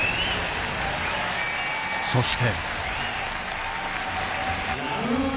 そして。